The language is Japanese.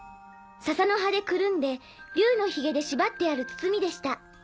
ササの葉でくるんで竜のヒゲでしばってある包みでした。